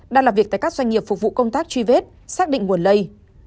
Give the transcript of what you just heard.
đang làm việc tại các doanh nghiệp phục vụ công tác truy vết xác định nguồn lây